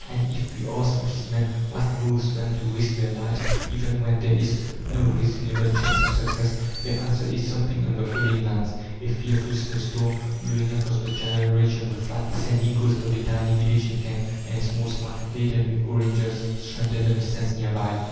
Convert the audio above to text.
And if we ask these men what moves them to risk their lives, even when there is no reasonable chance of success, their answer is something on the following lines. A fearful snowstorm, blowing across the Channel, raged on the flat, sandy coast of a tiny village in Kent, and a small smack, laden with oranges, stranded on the sands near by.